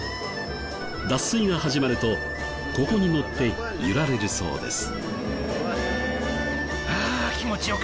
脱水が始まるとここに乗って揺られるそうです。